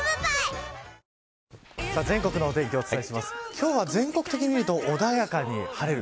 今日は全国的に見ると穏やかに晴れる。